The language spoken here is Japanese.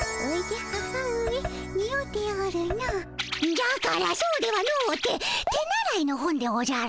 じゃからそうではのうて手習いの本でおじゃる。